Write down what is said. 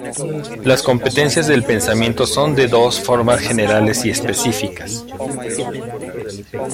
Las competencias del pensamiento son de dos formas generales y específicas.